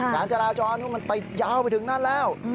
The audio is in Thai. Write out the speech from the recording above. การจราจรมันติดยาวไปถึงนั่นแล้ว